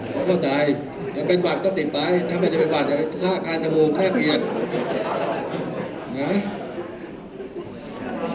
เขาเข้าใจถ้าเป็นหวัดก็ติดไปถ้าไม่จะเป็นหวัดจะเป็นซ่าคลายจมูกแค่เกียรติ